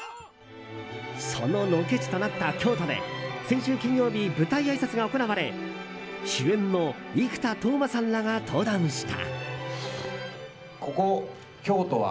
そのロケ地となった京都で先週金曜日舞台あいさつが行われ主演の生田斗真さんらが登壇した。